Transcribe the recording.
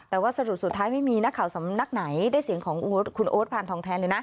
แต่ว่าสรุปสุดท้ายไม่มีนักข่าวสำนักไหนได้เสียงของคุณโอ๊ตพานทองแทนเลยนะ